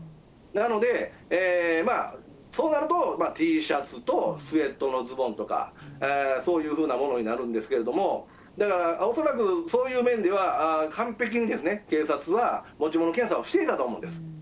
なので、そうなると、Ｔシャツとスウェットのズボンとか、そういうふうなものになるんですけれども、だから、恐らくそういう面では、完璧に警察は持ち物検査をしていたと思うんです。